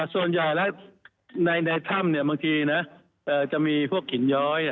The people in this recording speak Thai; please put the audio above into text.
ส่วนใหญ่แล้วในถ้ำบางทีนะจะมีพวกหินย้อย